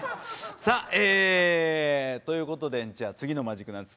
さあえということでじゃ次のマジックなんです。